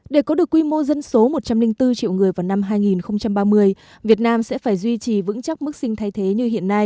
để có được quy mô dân số một trăm linh bốn triệu người vào năm hai nghìn ba mươi việt nam sẽ phải duy trì vững chắc mức sinh thay thế như hiện nay